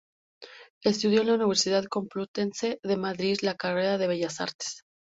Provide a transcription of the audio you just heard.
Estudió en la Universidad Complutense de Madrid la carrera de Bellas Artes.